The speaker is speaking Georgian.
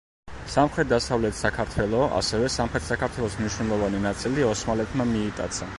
სამხრეთ-დასავლეთ საქართველო, ასევე, სამხრეთ საქართველოს მნიშვნელოვანი ნაწილი ოსმალეთმა მიიტაცა.